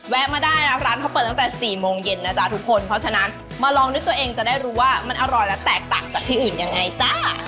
มาได้นะร้านเขาเปิดตั้งแต่๔โมงเย็นนะจ๊ะทุกคนเพราะฉะนั้นมาลองด้วยตัวเองจะได้รู้ว่ามันอร่อยและแตกต่างจากที่อื่นยังไงจ้า